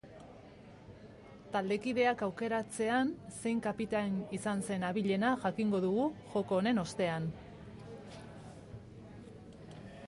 Taldekideak aukeratzean zein kapitain izan zen abilena jakingo dugu joko honen ostean.